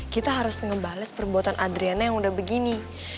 kita harus ngebales perbuatan adriana yang udah begini